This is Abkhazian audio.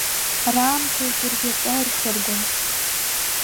Раамҭа игәырӷьаҵәа ирхыргон.